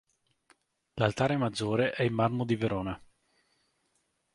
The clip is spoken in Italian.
L'altare maggiore è in marmo di Verona.